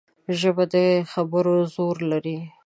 ژبه د خبرو زور لري